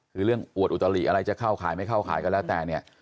คือเรื่องอวดอุตลิอะไรจะเข้าขายไม่เข้าขายก็แล้วแต่เนี่ย